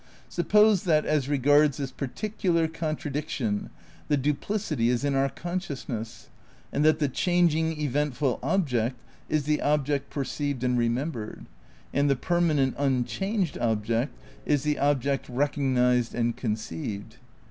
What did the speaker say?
Suppose that, as regards this particular contradiction, the du plicity is in our consciousness, and that the changing, eventful object is the object perceived and remembered, and the permanent, unchanged object is the object rec ognised and conceived?